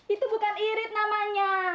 itu bukan irit namanya